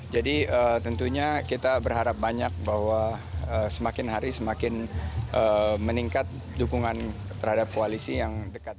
jadi tentunya kita berharap banyak bahwa semakin hari semakin meningkat dukungan terhadap koalisi yang dekat